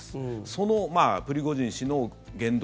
そのプリゴジン氏の言動